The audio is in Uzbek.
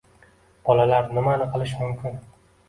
Bolalar nimani qilish mumkin